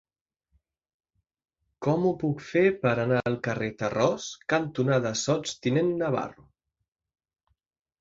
Com ho puc fer per anar al carrer Tarròs cantonada Sots tinent Navarro?